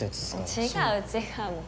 違う違う。